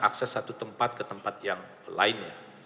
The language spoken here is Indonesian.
akses satu tempat ke tempat yang lainnya